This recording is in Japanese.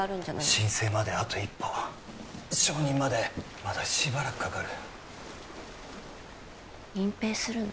申請まであと一歩承認までまだしばらくかかる隠蔽するの？